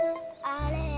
あれ？